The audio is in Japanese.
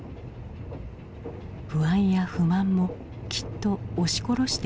不安や不満もきっと押し殺しているのだろう。